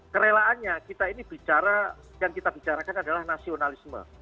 kerelaannya kita ini bicara yang kita bicarakan adalah nasionalisme